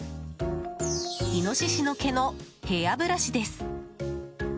イノシシの毛のヘアブラシです。